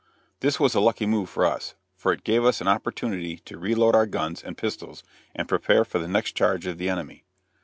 This was a lucky move for us, for it gave us an opportunity to reload our guns and pistols, and prepare for the next charge of the enemy.